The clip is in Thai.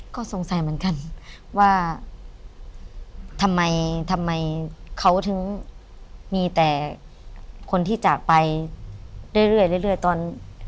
ก็สงสัยเหมือนกันว่าทำไมทำไมเขาถึงมีแต่คนที่จากไปเรื่อยตอน